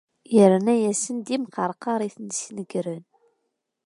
Yerna-asen-d imqerqar i ten-isnegren.